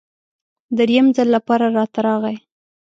دریم ځل لپاره راته راغی.